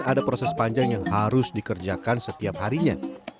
ada proses panjang yang harus dikerjakan setiap harinya